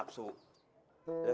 dari rumah kore nafsu